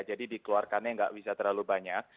jadi dikeluarkannya enggak bisa terlalu banyak